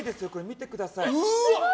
見てください。